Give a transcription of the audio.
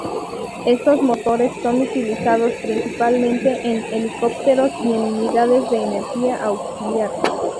Estos motores son utilizados principalmente en helicópteros y en unidades de energía auxiliar.